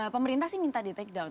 pemerintah sih minta di takedown